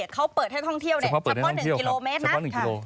เฉพาะจุดที่เขาเปิดให้ท่องเที่ยวเนี่ยเฉพาะ๑กิโลเมตรนะ